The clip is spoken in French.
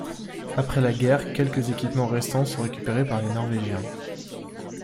Après la guerre, quelques équipements restants sont récupérés par les Norvégiens.